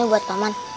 ini untuk pak mat